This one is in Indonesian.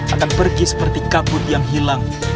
akan pergi seperti kabut yang hilang